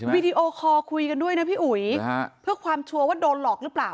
วีดีโอคอลคุยกันด้วยนะพี่อุ๋ยเพื่อความชัวร์ว่าโดนหลอกหรือเปล่า